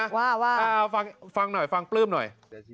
แปลว่าว่าเอาฟังฟังหน่อยฟังปลื้มหน่อย